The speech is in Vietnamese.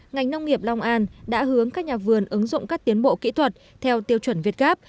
ngành nông nghiệp long an đã hướng các nhà vườn ứng dụng các tiến bộ kỹ thuật theo tiêu chuẩn việt gáp